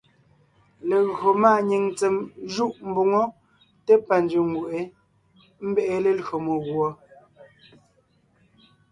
Legÿo máanyìŋ ntsèm jûʼ mboŋó té pâ nzẅìŋ nguʼ wé, ḿbe’e lelÿò meguɔ.